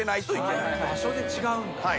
場所で違うんだ。